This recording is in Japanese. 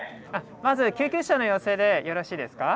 まずは救急車の要請でよろしいですか？